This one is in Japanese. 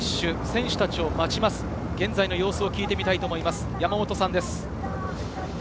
選手たちを待ちます、現在の様子を聞いてみたいと思います、山本さんです。